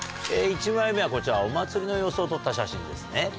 １枚目はこちらお祭りの様子を撮った写真ですね。